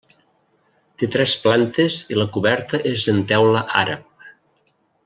Té tres plantes i la coberta és en teula àrab.